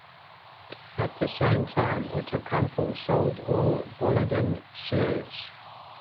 At the same time Outokumpu sold all Boliden shares.